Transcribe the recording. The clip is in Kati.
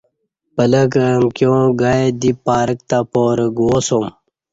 پلکہ امکیاں گائ دی پارک تہ پارہ گواسوم